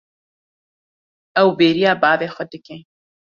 Ew bêriya bavê xwe dike.